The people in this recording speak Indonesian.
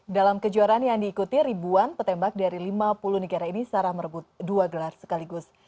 dalam kejuaraan yang diikuti ribuan petembak dari lima puluh negara ini sarah merebut dua gelar sekaligus